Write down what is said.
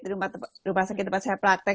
di rumah sakit tempat saya praktek